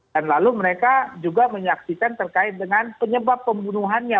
dan lalu mereka juga menyaksikan terkait dengan penyebab pembunuhannya